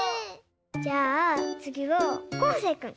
じゃあつぎはこうせいくん！